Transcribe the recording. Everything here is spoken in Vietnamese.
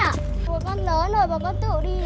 ủa con lớn rồi mà con tự đi